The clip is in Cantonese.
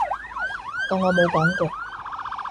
當我冇講過